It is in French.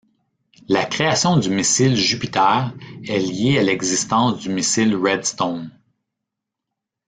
La création du missile Jupiter est liée à l'existence du missile Redstone.